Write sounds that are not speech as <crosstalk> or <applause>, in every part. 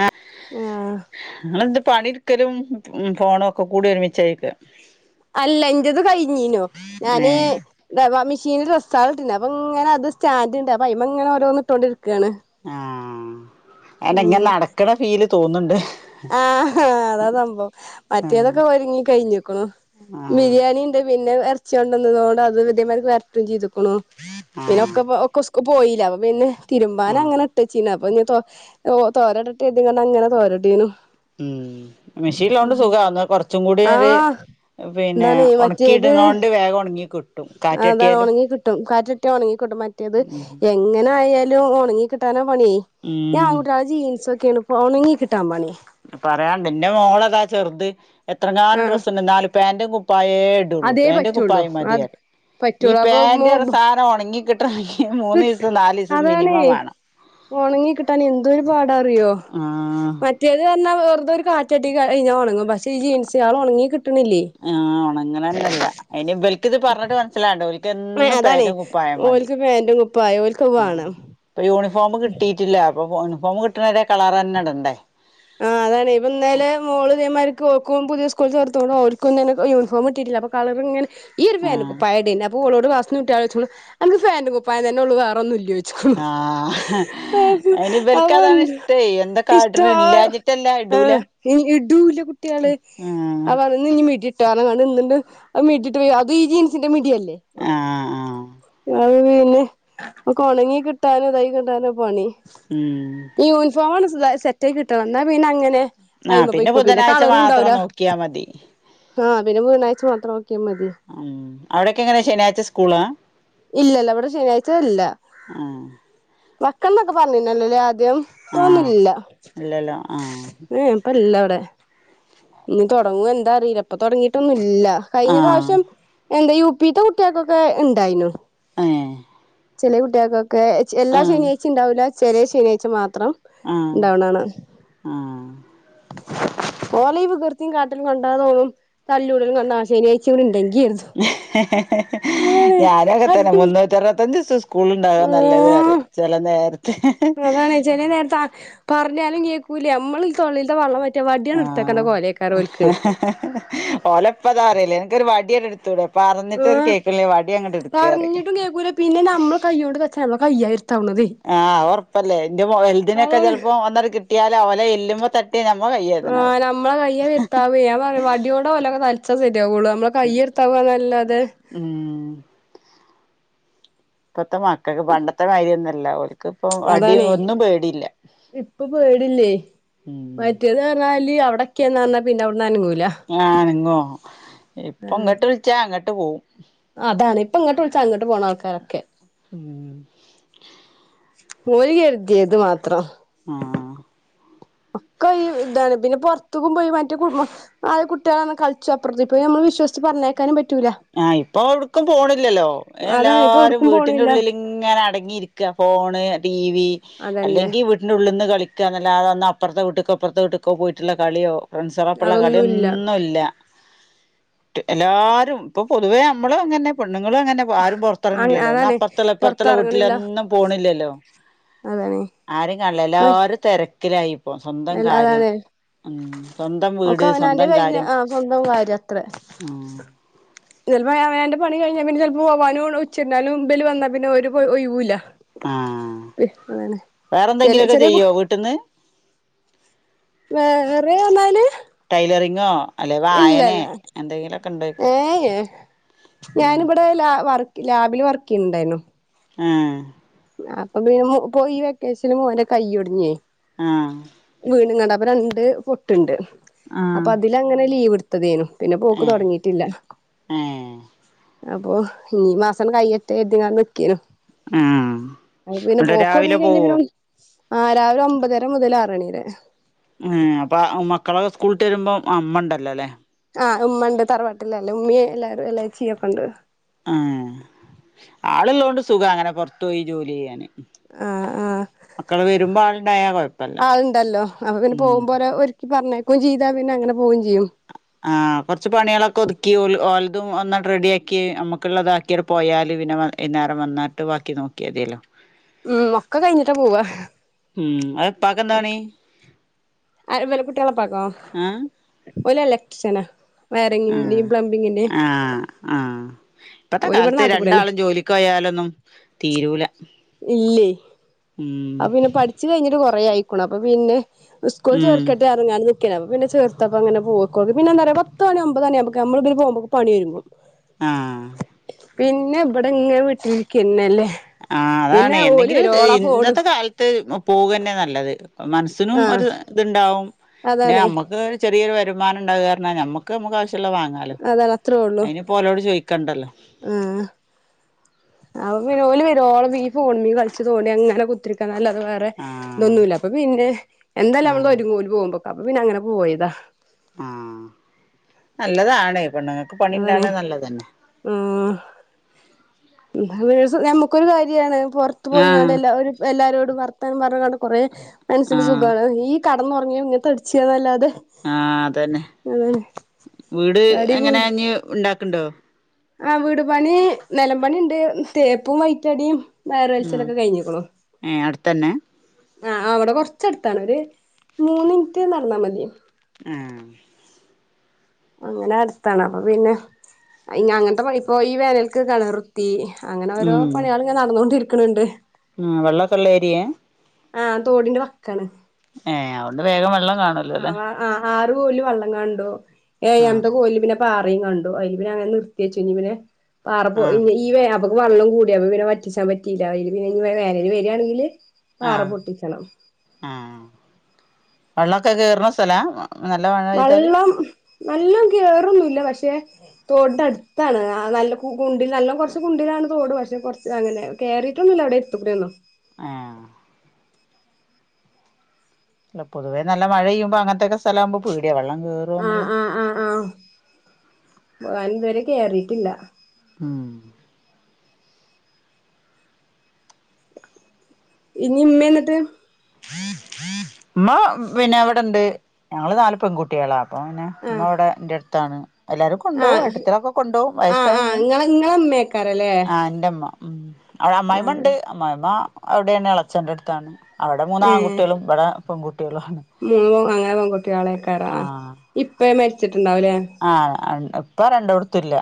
ആ ആഹ് ഇങ്ങളെന്ത് പണി ഇട്ക്കലും ഫോണു ഒക്കെ കൂടി ഒരുമിച്ചേയക്ക് അല്ല ഇൻ്റത് കഴിഞ്ഞീനു ഞാന് ഏഹ് മിഷീനിൽ ഡ്രെസ്സാള് ഇട്ടീനി അപ്പൊ ഇങ്ങനെ അത് സ്റ്റാൻ്റ്ണ്ട് അപ്പൊ അയ്മെ ഇങ്ങനെ ഓരോന്ന് ഇട്ടോണ്ടിരിക്കാണ്. ആഹ് അല്ല ഇങ്ങനെ അങ്ങനെ നടക്ക്ണ ഫീല് തോന്ന്ണ്ട് ആഹ് അതാ സംഭവം ആഹ് മറ്റേതൊക്കെ ഒരുങ്ങി കഴിഞ്ഞുക്കുണു ആഹ് ബിരിയാണിഇണ്ട്, പിന്നെ ഏ ർച്ചണ്ടതോടെ അത് ഇതേമാതിരിക്ക് വരറ്റും ചെയ്തക്കുണു. പിന്നെ ആഹ് ഒക്കെ പൊ ഒക്കെ സ്‌ ക്കുൾ പോയിലെ അപ്പൊ പിന്നെ ആഹ് തിരുമ്പാനൻഅങ്ങനെ ട്ടച്ചീനു അപ്പന്നി തോ ഓ തോരട്ടട്ടെ കർതിക്കണ്ട് അങ്ങനെ തോരട്ടെനു. ഉം മെഷീനിലൊണ്ട് സുഖ എന്നാ കൊറച്ചും കൂടി ഒരു ആഹ് പിന്നെ എന്താണ് ഒണക്കിയിടുന്നോണ്ട് വേഗം ഒണങ്ങിക്കി അതാ ഒണങ്ങികിട്ടും. കാറ്റട്ടിയ ഒണങ്ങി കിട്ടും. മറ്റേത് ഉം ഏ എങ്ങനെ ആയാലും ഒണങ്ങി കിട്ടാനാ പണി. ഉം <unintelligible> ജിൻസോക്കെണ് പ്പ ഓണങ്ങി കിട്ടാൻ പണി പറയാണ്ട് ഇന്റെ മോളതാ ചെറുത് എത്രങ്ങനും ആഹ് ഡ്രസ്സുണ്ട്, എന്നാലും പാന്റും കുപ്പായേ ഇടുള്ളൂ അതേ പാന്റും പറ്റുള്ളൂ കുപ്പായം അത് മതിപരിം ഈ പറ്റുള്ളൂ അപ്പൊ പാൻ്റ് മോ ന്ന സാധനം ഒണങ്ങി കിട്ടണങ്കിൽ മൂന്ന് കിട്ട് ദിവസം നാല് ദിവസംത് അതാണേ മിനിമം വണം. ഒണങ്ങി കിട്ടാൻ എന്തൊരു പാടാ അറിയോ? ആഹ് മ റ്റേത് പറഞ്ഞാ വെറുതെ ഒരു കാറ്റാകട്ടി കഴിഞ്ഞാൻ ഒണങ്ങും, പക്ഷേ ഈ ജീൻസുൾ ഒണങ്ങി കിട്ണില്ലേ?. ആഹ് ഓണങ്ങനെന്നെയില്ല അയിനി ഇബല്ക്ക് ഇത് പറഞ്ഞിട്ട് മനസിലാവേണ്ടേ? ഒ ല്ക്കെന്നും അതാണേ പേൻ്റും കുപ്പായം മതി, ഓൽക്ക് പാന്റും കുപ്പായോം ഓൽക്കത് അഹ് വേണം ഇപ്പ യൂണിഫോമ് കിട്ടി റ്റില്ല അപ്പോ പൊ യൂണിഫോമ് കിട്ടണവരെ കളർന്നെ ഇടണ്ടേ. ആഹ് അതാണ് ഇപ്പ ഇന്നലെ മോള് ഇതെമാർക്ക് ഓക്കും പുതിയ സ്കൂളിൽ ചേർത്തുകൊണ്ട് അവരിക്കുംതന്നെ യൂണിഫോം കിട്ടിട്ടില്ല അപ്പൊ കളർ ഇങ്ങനെ ഈ ഒരു ഫൻ്റ ആഹ് കുപ്പായം ഇടന്നെ അപ്പൊ ഓളോട് ക്ലാസ്ന്ന് കുട്ടിയാൽ ചെയ്ച്ചക്കുന്നു അനക്ക് ഫന്റ് കുപ്പായം തന്നെയുള്ളു വെറൊന്നു ഇല്ലെ? ആഹ് ഹ് അയിന് ഇവല്ക്ക് അപ്പൊ അതാണ് എന്ത് ഇഷ്ടേ എന്താ കാട്ട്ന്ന് ഇഷ്ടമാ ഇല്ലാഞ്ഞി ആഹ് ഇ ഇടൂല കുട്ടിള്, ആഹ് അവ ഇന്ന്ന്നി മിഡിട്ടെ പറന്ന്കണ്ട് ഇന്നിണ്ട് അഹ് മിഡിട്ട് പോയി അത് ഈ ജീൻസിന്റെ മിഡിയല്ലേ?. ആഹ് ആഹ് അഹ് പിന്നെ അക്കെ ഒണങ്ങി കിട്ടാനോ തൈകിട്ടാനോ പണി. ഉം യുണിഫോംണ് സെറ്റ് ആയി കിട്ടണം എന്നാപിന്നെ അങ്ങനെ ആഹ് അയിമ പൊയ്ക്കും പിന്നെ ബുധനാഴ്ച കാളറും മാത്രം ഇണ്ടാവുല. നോക്കിയാ മതി ആഹ് പിന്നെ ബുധനാഴ്ച്ച മാത്രം നോക്കിയ മതി. ഉം അവിടൊക്കെ എങ്ങനെ ശനിയാഴ്ച സ്കൂളാ ഇല്ലല്ല ഇവിടെ ശനിയാഴ്ച ഇല്ല. അഹ് വക്കണ്ന്നൊക്കെ പറഞ്ഞിന്നല്ലല്ലേ ആദ്യം ഇപ്പ അഹേന്നും ഇല്ല. ഇല്ല ല്ല ഏഹെ ഇപ്പ ഇല്ല അവിടെ ഇനി തുടങ്ങുവ എന്താ അറിയില്ല പ്പ തുടങ്ങിയിട്ടൊന്നും ഇല്ല കഴിഞ്ഞ ആഹ് പ്രാവശ്യം. എന്താ യു പി ത്തെ കുട്ടികൾക്കൊക്കെ ഇണ്ടായിനു. ആഹെ ചേലെ കുട്ടികൾക്കൊക്കെ എല്ലാ ശനിയാഴ്ച ഇണ്ടാവുല്ല, ചേലെ ശനിയാഴ് മാത്രം. ആഹ് ഇണ്ടാവണ കാണാം ആഹ് ഓല ഇ പ്രകൃത്തിയും കാട്ടിലും കണ്ടാ തോന്നും തല്ലൂടലും കണ്ടാ അഹ് ശനിയാഴ്ച കുടെ ഇണ്ടെങ്കികെർതും ഞാനും അങ്ങൻതന്നെ അത് മുന്നൂറ്റി അറുപത്തഞ്ച് ദിസും സ് കൂൾ ഇണ്ടാവാ ആഹ് നല്ലത്പറിം ചെലെ നേര അതാണ് ചെലെ നേരത്തെ അഹ് പറഞ്ഞാലും കേക്കൂല നമ്മൾ തൊള്ളിത്തെ വള്ളം വറ്റി റ്റ വാടിയാണ് ഇട്ത്തക്കേണ്ട കോലേക്കാര ഒല്ക്ക് ഓലപ്പതാറല്ലേ അനക്കൊരു വടിയടുത്തുടെ?. പറഞ്ഞിട്ടണ് ആഹ് കേൾക്കില്ലേ വടി അങ്ങട്ട് എടുക്കാ പറയും പറഞ്ഞിട്ടും കേക്കൂല പിന്നെ നമ്മളെ കൈയ്യോണ്ട് തച്ചാ നമ്മളെ കയ്യാ വെര് ആഹ് അത് ഒറപ്പല്ലേ എന്റെ വൽതിനൊക്കെ അതാണ് ചെലപ്പോ ഒന്നണ് കിട്ടിയാല് ഓലെ എല്ലുമ്മെ തട്ടി ട്ടിയാ ഞമ്മളെ കൈ ആഹ് നമ്മളെ കയ്യാ വെര്ത്താവേ ഞാൻ പറയും വടിയോണ്ടാ ഓലൊക്കെ തലച്ചാ ശരിയാവുള്ളൂ നമ്മളെ കൈ വെര്ത്താവ നല്ലാതെ. ഊം ഇപ്പത്തെ മക്കക്ക് പണ്ടത്തെ മാരി ഒന്നല്ല ഓൽക്ക്പ്പൊ അടി ഒന്നും പേടില്ല. പേടില്ലേയ് ഉം മറ്റേതറഞ്ഞാല് അവിടെക്കിംന്ന് പറഞ്ഞാ പിന്നെ അവ്ട്ന്ന് അനങ്ങൂല. ആഹ് അനങ്ങോ ഇപ്പൊ അതാണ് ഇങ്ങട്ട് വിളിച്ചാ അങ്ങട്ട് പോവും. അതാണ് ഇപ്പൊ ഇങ്ങട്ട് വിളിച്ചാ അങ്ങട്ട് പോണ ആൾക്കാരാ ഒക്കെ ഊം ഓല് കര്തീത് മാത്രം. ആഹ്. ഒക്കെ ഈ ഇതാണ് ഇതില് പൊർത്ത്ക്കുമ്പോ ഈ മറ്റേ കു ആഹ് കുട്ട്യാളൊന്ന് കളിച്ചും അപ്പുറത്ത് ഇപ്പൊ നമ്മള് വിശ്വസിച്ച് പറഞ്ഞയക്കാനും പറ്റൂല്ല. ആഹ് ഇപ്പൊ എവ്ട്ക്കും പോണില്ലല്ലോ അയ്ന് അതാണ് ഇപ്പൊ എല്ലാരും എവിടക്കും വീട്ടിന്റെ പോണില്ല ഉള്ളില് ഇങ്ങനെ അടങ്ങിരിക്ക ഫോണ് ടി വി അതന്നെ അല്ലെങ്കി വീ ട്ടിന്റെ ഉള്ള്ന്ന് കളിക്ക്യാന്നല്ലാതെ ഒന്ന് അപ്പർത്ത വീട്ട്ക്കോ ഇപ്പർത്തെ വീട്ട്ക്കോ പോയിട്ടുള്ള കളിയോ. ഫ്രണ്ട്സാളപ്പള്ള അതൊന്നുല്ല കളിയൊന്നുല്ല എല്ലാരും. ഇപ്പൊ പൊതുവെ നമ്മളും അങ്ങനെന്നെ പെണ്ണുങ്ങളും അങ്ങനെ. ആരും ആ പൊർത്തെറങ്ങ്ണില്ലല്ലോ ഒന്ന് അതാണ് അപ്പർത്ത്ള്ള ഇപ്പർത്ത്ള്ള പുറത്തിറങ്ങണില്ല വീട്ടിലൊന്നും പോണില്ലല്ലോ. അതാണ് ആരേം കാണൂല എല്ലാരും തെരക്കിലായിപ്പോ സ്വന്തം കാര്യം. അതാണ് ഉം സ്വന്തം ഒക്കെ വീട് അവനാന്റെ സ്വന്തം കഴിഞ്ഞ കാര്യം ആ സ്വന്തം ആഹ് ചെലപ്പോ അവനാന്റെ പണി കഴിഞ്ഞാ പിന്നെ ചെലപ്പോ പോവാനും ഉച്ചരിഞ്ഞാലും ഇബല് വന്നാ പിന്നെ ഒരു ഒയിവൂല്ലാ ആഹ് വേറെ ചെല എന്തെങ്കിലൊക്കെ ചെറിയ ചെയ്യോ വീട്ട്ന്ന്. വേറെ പറഞ്ഞാല് ടൈലറിങ്ങോ അല്ലെ വായനെ എന്തെങ്കിലൊക്കെണ്ടോ ചോയിക്കാ. ഏഹേ ഞാനിബടെ ലാ വർക്ക് ലാബില് വർക്ക്‌ ചെയ്യ്ണ്ടായിരുന്നു ആഹ്. അപ്പൊ പിന്നെ ഇപ്പൊ ഈ വെക്കേഷന് മോന്റെ കൈ ഒടിഞ്ഞേയ് ആഹ്. വീണ്ങ്ങാണ്ട് അപ്പൊ രണ്ട് പൊട്ട്ണ്ട് ആഹ് അപ്പൊ അതിലങ്ങനെ ലീവ്ട്ത്തതേനു. പിന്നെ പോക്ക് ഏഹ് തൊടങ്ങീട്ടില്ല. ഏഹ് അപ്പൊ ഇഞ്ഞി ഈ മാസണ് കയ്യട്ടേ കരുതിങ്ങാണ്ട് നിക്കേനു. ആഹ്. അപ്പൊ പിന്നെ ന്നട്ട് പോക്ക് രാവിലെ തൊടങ്ങി കഴിഞ്ഞാ പോവോ പിന്നെ ആ രാവിലെ ഒമ്പതര മുതല് ആറണി വരെ. ഏഹ് അപ്പ മക്കളൊക്കെ സ്കൂൾട്ട് വരുമ്പോ ആ ഇമ്മണ്ടല്ലോല്ലെ. ആഹ് ഉമ്മ ഉണ്ട് തറവാട്ടില്ലല്ലേ ഉമ്മീ എല്ലാരും എളേച്ചീ ഒക്കണ്ട്. ആഹ് ആള്ള്ളോണ്ട് സുഖാ അങ്ങനെ പൊർത്തു പോയി ജോലി ചെയ്യാന്. ആഹ് ആഹ് മക്കള് വരുമ്പോ ആള്ണ്ടായ കൊഴപ്പല്ല ഉം ക്കി പറഞ്ഞയക്കും ചെയ്താ പിന്നെ അങ്ങനെ പോകും ചെയ്യും. ആഹ് കൊറച്ച് പണ്യാളൊക്കെ ഒതുക്കി ഓലതും ഒന്നണ്ട് റെഡിആക്കി നമ്മക്കുള്ളതാ ക്ക്യണ് പോയാല് പിന്നെ വൈന്നേരം വന്നാട്ട് വാക്കി നോക്കിയാതിയല്ലോ. ഉം ഒക്കെ കഴിഞ്ഞിട്ടാ പോവാ ഉം ആഹ് ഉപ്പാക്കെന്താ പണി. ആരെ ഇവലെ കുട്ട്യാളെ ഇപ്പാക്കോ ഏഹ് ഓല് ഇലക്ട്രിഷ്യനാ ആഹ് വയറിങ്ങിന്റേം പ്ലംബിങ്ങന്റേം ആഹ് ആഹ് ഇപ്പത്തെ ഇവിടെ കാലത്ത് നാട്ടികൂടെന്നെ രണ്ടാളും ജോലിക്ക് പോയാലൊന്നും തീരൂല. ഉം. ച്ച് കൈഞ്ഞിട്ട് കുറേ അയ്ക്കുണു അപ്പൊ പിന്നെ സ്കൂളിൽ ഉം ചേർക്കട്ടെ അങ്ങാണ് നിക്കണ അപ്പ പിന്നെ ചേർത്തപ്പോ അങ്ങനെ പോക്കോ പിന്നെന്താറയ മൊത്തോ പണി ഒമ്പതണിയാമ്പക്ക് നമ്മള് പോകുമ്പോ പണി വരുമ്പോ ആഹ് പിന്നെ ഇവിടെ ഇങ്ങനെ വീട്ടിരിക്കന്നെല്ലേ ആഹ് അതാണ് എന്തെങ്കിലും ഇന്നത്തെ കാല ത്ത് പോവന്നെ നല്ലത് മനസ്സിനും ആഹ് ഒരു ഇത്ണ്ടാവും പിന്നെ അതാണേ നമ്മുക്ക് ചെറിയൊരു വരുമാനം ഇണ്ടാവ പറഞ്ഞാ നമ്മുക്ക് നമുക്ക് ആവശ്യള്ളത് വാങ്ങാലോ അതാണ് അത്രേ ഉള്ളൂ അയ്ന് ഓലോട് ചോയ്ക്കണ്ടല്ലോ ആഹ് അപ്പൊ പിന്നെ ഓല് വരോളം ഈ ഫോണിമ്മെ കളിച്ചു തോണ്ടി അങ്ങനെ കുത്തിരിക്കാ അല്ലാതെ വേറെ ആഹ് ഇതൊന്നുല്ല അപ്പൊ പിന്നെ എന്തല്ല നമ്മള് ആഹ് ഒരുങ്ങൂല് ഓര് പോകുമ്പൊക്ക അപ്പൊ പിന്നെ അങ്ങനെ പോയതാ ആഹ് നല്ലതാണ് പെണ്ണുങ്ങൾക്ക് അതാണ് പണിണ്ടാണത് നല്ലത് തന്നെ ആഹ് നമുക്ക് ഒരു കാര്യാണ് പുറത്ത് ത്ത് പോയിങ്ങാണ്ട് ആഹ് എല്ലാരും എല്ലാരോടും വർത്താനം പറഞ്ഞ്ങ്ങാണ്ട് കൊറേ മനസ്സിന് ആഹ് സുഖാണ് ഈ കടന്നുറങ്ങി ഇങ്ങനെ തടിച്ചിയന്നല്ലാതെ ആഹ് അതന്നെ വീട് തടി കൂടി എങ്ങനെ ഇനി ഇണ്ടാക്ക്ണ്ടോ ആഹ് വീട് പണി നിലമ്പണി ഇണ്ട് തേപ്പും വൈറ്റടിയും ഉം ഞായറാഴ്ച്ചലൊക്കെ കഴിഞ്ഞിക്കുണ് ഏഹ് അടുത്തന്നെ ആഹ് അവിടെ കൊറച്ചടുത്താണ് ഒരു മൂന്ന് മിനിറ്റ് നടന്നാ മതി ആഹ് അങ്ങനെ അടുത്താണ് അപ്പൊ പിന്നെ അങ്ങൻത്തെ പണിപ്പോ ഈ വേനൽക്ക് കെണറ് ത്തി അങ്ങനെ ഓരോ ഉം പണികള് ഇങ്ങനെ നടന്നുകൊണ്ടിരിക്കണ് ണ്ട് ആഹ് വെള്ളക്കൊള്ള ഏരിയെ ആഹ് തോടിന്റെ വക്കാണ് ഏഹ് അതുകൊണ്ട് വേഗം വെള്ളം കാണും ആഹ് ആഹ് ആറ് കോല് വെള്ളം കണ്ടു ആഹ് ഏയാമത്തെ കോല് പിന്നെ പാറയും കണ്ടു അതിൽ പിന്നെ അങ്ങനെ നിർത്തി വെച്ച് ഇനി പിന്നെ പാറ ഇ ആഹ് ഈ വെള്ളം കൂടിയ പിന്നെ വറ്റിച്ചാൻ പറ്റീല്ല അയില് പിന്നെ ഇ വേനല് വരിയാണെങ്കില് പാറ ആഹ് പൊട്ടിക്കണം ആഹ് വെള്ളൊക്കെ കേറ്ണ സ്ഥലാ നല്ല മഴ പെയ്താല് വെള്ളം നല്ലോം കേറൊന്നുംല്ല പക്ഷെ തോടിന്റെ അടുത്താണ് നല്ല ഗുണ്ടി നല്ല കുറച്ച് ഗുണ്ടിയിലാണ് തോട് പക്ഷെ കുറച്ച് അങ്ങനെ കേറിട്ടൊന്നുല്ല അവിടെ എടുത്തുകൂടി ഒള്ളു ആഹ് അല്ല പൊതുവെ നല്ല മഴ പെയ്യുമ്പോ അങ്ങൻത്തെക്ക സ്ഥലാമ്പോ പേടിയ വെള്ളം ആഹ് കേറുംന്നൊള്ള ആഹ് ആഹ് <unintelligible> ഇതുവരെ കേറീട്ടില്ല ഉം ഇനി ഇമ്മേം എന്നിട്ട് ഉമ്മ പിന്നെ എവിടെണ്ട് ഞങ്ങള് നാല് പെൺകു ട്ടികളാ അപ്പ പിന്നെ ഇമ്മ ആഹ് അവിടെ എന്റെ അടുത്താണ് എല്ലാരും കൊണ്ടോവും ആഹ് ഏട്ടത്തിലൊക്കെ കൊണ്ടോവും ആഹ് ആഹ് വയസ്സായിന്ന് ഇങ്ങളെ ഇങ്ങളെ ഇമ്മേക്കാരല്ലേ ആ എന്റെമ്മ ഉം. അവിടെ അമ്മായിമ്മ ആഹ് ഇണ്ട്. അമ്മായിമ്മ ഔടേണ്. എളച്ചന്റെ എടുത്താണ്. അവിടെ ഏഹ് മൂന്നാംങ്കുട്ട്യേളും, ഇബ്ടെ പെൺകുട്ട്യേളും ആണ്. മൂന്ന് അങ്ങനെ പെൺകുട്ട്യേളെക്കാരം. ആ. ആഹ് ഇപ്പ മരിച്ചിട്ടുണ്ടാവുലെ. ആഹ്, ഇപ്പാ രണ്ടോട്ത്തും ഇല്ല.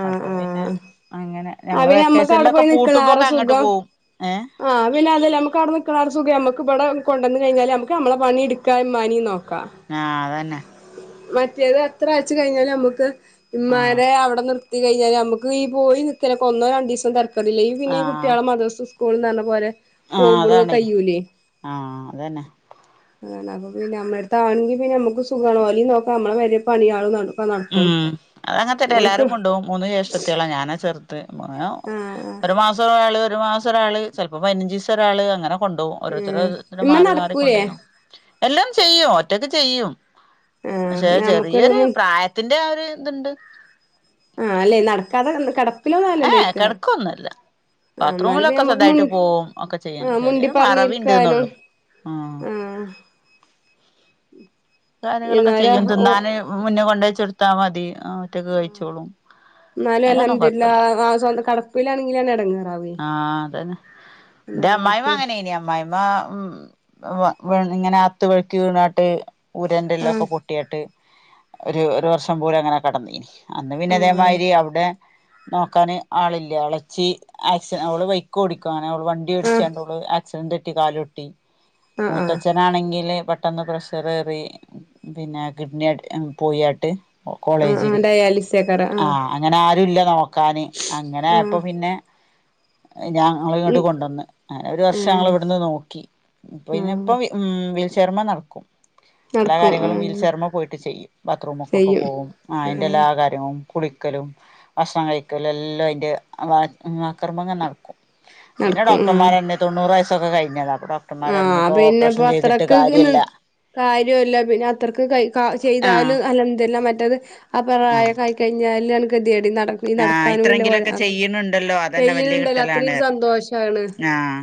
ആഹ് അപ്പൊ പിന്നെ ആഹ് അങ്ങനെ. ആഹ് ഞങ്ങള് പിന്നെ നമ്മക്ക് അവിടെ വെക്കേഷൻലൊക്കെ പോയി നിക്കണേറെ പൂട്ടുമ്പൊക്കെ അങ്ങട്ട് സുഖം പോവും. ഏഹ്. ആഹ് പിന്നെ അതു അല്ല. നമുക്ക് അവിടെ നിക്ക്ണ ആ ഒരു സുഖം നമക്ക് ഇബടെ കൊണ്ടന്ന് കഴിഞ്ഞാൽ നമക്ക് നമ്മള പണി ഇടുക്കാ, ഇമ്മനിം നോക്കാം. ആഹ് അതന്നെ. മറ്റേത് എത്ര ആഴ്ച്ച കഴിഞ്ഞാല് നമ്മുക്ക് ആഹ് ഇമാരെ അവിടെ നിർ നിർത്തി കഴിഞ്ഞാൽ ഞമക്ക് ഈ പോയി നിക്കലൊക്കെ ഒന്നോ രണ്ടീസം തെരക്കേടില്ല. ഈ പിന്നെ ആഹ് കുട്ട്യേളെ മദ്രസ സ്കൂള്ന്നർഞ്ഞ പോലെ. ആഹ് പോകുമ്പോഴും അതാണെ. കയ്യൂലേ ആഹ് അതന്നെ. അതന്നെ. അപ്പൊ പിന്നെ അമ്മ ട്ത്താണെങ്കി പിന്നെ അമ്മക്കു സുഖാണ്. ഓലിം നോക്ക അമ്മളെ പെരെ പണിയാളുംന്നാണു. ഉം. അത് അങ്ങൻത്തന്നെ. എല്ലാരും ആഹ് കൊണ്ടോവും. മൂന്ന് ജേഷ്ട്ടത്ത്യേള ഞാനാ ചെർ. ഇത് മൊ <unintelligible> ആഹ് ഒരു മാസം ഒരാള് ഒരു മാസം ഒരാള് ചെൽപ്പ പയ്നഞ്ചീസം ഒരാള് അങ്ങനെ. കൊണ്ടോവും. ഏഹ് ഓരോരുത്തര് ഇമ്മ മാറി മാറി നടക്കൂലേ കൊണ്ടോയിന്നോക്കും. എല്ലം ചെയ്യും. ഒറ്റക്ക് ചെയ്യും. ആഹ് പക്ഷെ എന്നാ നമുക്കൊരു ചെറിയൊരു മുൻ പ്രായത്തിന്റെ ആ ഒരു ഇത്ണ്ട്. ആ അല്ലെ. നടക്കാതെ ഏഹ് കെടപ്പിലൊന്നല്ലല്ലോയ്ക്ക. കെടക്കൊന്നുല്ല ആ ഇന്നാലും പിന്നെ ബാത്റൂമിലൊക്കെ ഞ്ഞമ്മക്ക് മു സ്വന്തായിട്ട് പോവും ഒക്കെ ചെയ്യും ആഹ് മുണ്ടി ചെറിയൊരു പർഞ്ഞിര്ക്കാനും. മറവിണ്ട്ന്നൊള്ളു ആഹ്. കാര്യങ്ങളൊക്കെ ചെയ്യും. എന്നാലും ഓ തിന്നാന് മുന്ന് കൊണ്ടോയ്ച്ചെടുത്താ മതി. ആഹ് ഒറ്റക്ക് കഴിച്ചോളും. ഇന്നാലും അയിനൊന്നും അൽഅംദുര്ല്ല കൊഴപ്പല്ല ആ ആ സ്വന്ത് കെടപ്പിലാണെങ്കിലാണ് എടങ്ങേറാ വ്വെ. ആഹ് അതന്നെ. ഇന്റെ അമ്മായിമ്മ അങ്ങനേന്യം. അമ്മായിമ ഉം ഹ്‌വ വീണ് ഇങ്ങനെ അകത്ത് വെഴ്ക്കി വീണാട്ട്. ഊരന്റെ ആഹ് എല്ലൊക്കെ പൊട്ട്യാട്ട് ഒരു ഒരു വർഷം പോലെ അങ്ങനെ കെടന്നീനി. അന്ന് പിന്നെ ആഹ് ഇതേമാരി. ടി ഔടെ നോക്കാന് ആളില്ല. എളച്ചി ആക്സ് ഓൾ പൊയ് ക്ക് ഓടിക്കും. അങ്ങനെ ഓൾ വണ്ടി ആഹ് ഇടിച്ചാണ്ട് ഓള് ആക്സിഡന്ററ്റി കാലൊട്ടി ആഹ് ആഹ് മൂത്തച്ചൻ - -. നാണെങ്കില് പെട്ടെന്ന് പ്രഷറേറി പിന്നെ കിഡ്നി അട് പോയ്യാട്ട്. ഓ ആഹ് ആഹ് കോളേജില്. ഡയാലിസേക്കാരം ആഹ്. അങ്ങനെ ആരു ഇല്ല നോക്കാന്. അങ്ങനെ ആഹ് ആയപ്പം പിന്നെ. ഹ് ഞങ്ങള് ഈ ഇങ്ങട്ട് കൊണ്ടന്ന്. അങ്ങനെ ഒരു വർഷം ഞങ്ങള് ഏഹ് ഇവട്ന്ന് നോക്കി. പിന്നെ ആഹ് ഇപ്പ വി ഉം. വിശർമ്മ നടക്കും. എല്ലാ നടക്കും കാര്യങ്ങളും വീൽ ആഹ് ചയർമ്മ പോയിട്ട് ചെയ്യും. ബാത്റൂമ്ക്കൊക്കെ ചെയ്യും പോവും. ആ അയ്ന്റെ ആഹ് എല്ലാ കാര് <unintelligible> കുളിക്കലും ഭക്ഷണം, കയ്ക്കലും, എല്ലം അയ്ന്റെ വ ഹ്മ് വാക്കർമ്മങ്ങള് നടക്കും. പിന്നെ നടക്കും ആഹ് ഡോക്ടർമാരെന്നെ തൊണ്ണൂറ് വയസ്സൊക്കെ കഴിഞ്ഞതാ അപ്പൊ ഡോ ഡോക്ടർമാരർഞ്ഞ് ആഹ് ഇഞ്ഞ്പ്പ ഓപ്പ്റേഷൻ ചെയ്തിട്ട് കാര്യല്ല. കാര്യുല്ല. പിന്നെ അത്രക്ക് കൈ കാ ആഹ് ചെയ്താല് അൽഅംദുര്ല്ല മറ്റത് ആ പ്രായ ആഹ് കൈ കൈഞ്ഞാലാണ് കെത്യേട് നട്. ഈ ആഹ് നടക്കാനൂല്ല പോലെ ഇത്രയെങ്കിലൊക്കെ അതെന്നെ. ചെയ്യണുണ്ടല്ലോ അതന്നെ പെയ്യ്ണ് വലിയ ഇണ്ടല്ലൊ കിട്ടലാണ് അത്രീം സന്തോഷാണ്. പറഞ്ഞു ആഹ്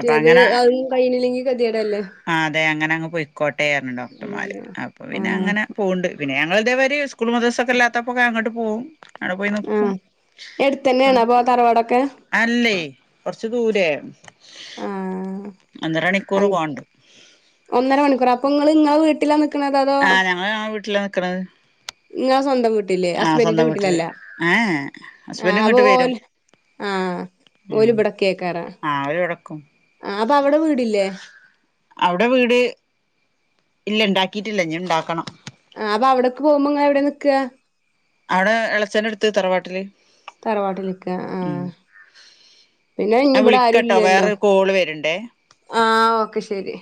അപ്പൊ അങ്ങനെ അതൊന്നും കയ്യിഞ്ഞില്ലെങ്കി കെത്യേടല്ലെ? ആ അതെ. അങ്ങനെ അങ്ങ് പൊയ്ക്കോട്ടെ അർഞ്ഞ് ഡോക്ടർമാര്. അതാണ് അപ്പൊ പിന്നെ ആഹ് അങ്ങനെ. പോവ്ണ്ട്. പിന്നെ ഞങ്ങള് ഇതേമാരി സ്കൂൾ മദ്രസ്സൊക്കെ ഇല്ലാത്തപ്പൊക്കെ അങ്ങട്ട് പോവും. അവിടെ പോയി നിക്കും ആഹ്. എട്ത്തന്നേണോ ഇപോ തറവാടൊക്കെ. അല്ലേ. കൊർച്ച് ദൂരേ. ആഹ് ഒന്നരണിക്കൂർ അങ് പോവാണ്ട്. ഒന്നര മണിക്കൂറൊ. അപ്പൊ ഇങ്ങള് ഇങ്ങളെ വീട്ടിലാ ന് ആഹ് ഞങ്ങള് ഞങ്ങളെ വീട്ടിലാ നിക്ക്ണത്. ഇങ്ങളെ സ്വന്തം വീട്ട്ല്. ഹസ്ബന്റിന്റെ വീട്ടില് വീട്ട്ലല്ല. ഏ ആഹ് ഹസ്ബൻഡ് അപ്പൊ ഇങ്ങോട്ട് ഓൽ. വരും ആഹ് ഓല് ഇബടെ നിക്കേക്കാരം. ആഹ് ഓല് ഇവടെ നിക്കും. ആഹ് അപ്പൊ അവടെ വീടില്ലേ? അവ്ടെ വീട് ഇല്ല ഇണ്ടാക്കിട്ടില്ല ഇഞ്ഞ് ഇണ്ടാക്കണം. ആഹ് അപ്പ അവടക്ക് പോവുമ്പൊ ഇങ്ങൾ എവിടെ നിക്കാ? അവ്ടെ എളച്ചന്റെട്ത്ത് തറവാട്ടില് തറവാട്ടില് നിക്കാ ഉം ആഹ്. പിന്നെ ഇഞ്ഞ് ഞാൻ ഇബ്ടെ വിളിക്കട്ടോ ആരുല്ലല്ലോ. വേറൊരു കോള് വരണ്ടേ ആഹ് ഓക്കെ ശെരി.